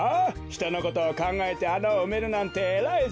ひとのことをかんがえてあなをうめるなんてえらいぞ。